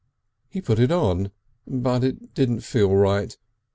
He put it on. But it didn't feel right.